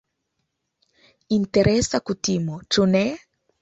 Interesa kutimo, ĉu ne?